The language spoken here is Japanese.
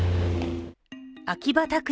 秋葉拓也